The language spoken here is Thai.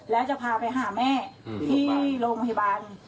แล้วจะพาร่องพยาบาล